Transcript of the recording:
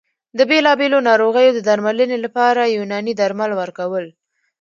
د بېلابېلو ناروغیو د درملنې لپاره یوناني درمل ورکول